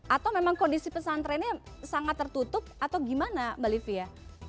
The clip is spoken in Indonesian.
atau memang kondisi pesantrennya sangat tertutup atau gimana mbak livia